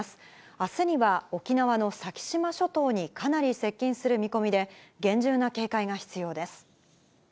あすには沖縄の先島諸島にかなり接近する見込みで、厳重な警戒が必要です。